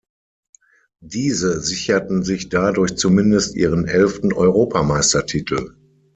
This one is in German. Diese sicherten sich dadurch zumindest ihren elften Europameistertitel.